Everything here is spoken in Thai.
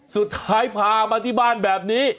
สุดท้ายพามาที่บ้านแบบนี้